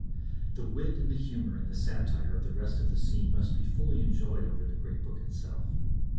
The wit and the humour and the satire of the rest of the scene must be fully enjoyed over the great book itself.